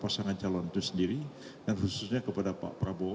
pasangan calon itu sendiri dan khususnya kepada pak prabowo